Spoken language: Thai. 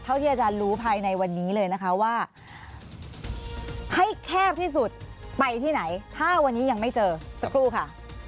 ที่อาจารย์รู้ภายในวันนี้เลยนะคะว่าให้แคบที่สุดไปที่ไหนถ้าวันนี้ยังไม่เจอสักครู่ค่ะ